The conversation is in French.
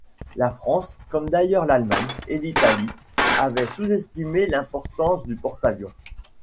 La France, comme d'ailleurs l'Allemagne et l'Italie, avait sous-estimé l'importance du porte-avions.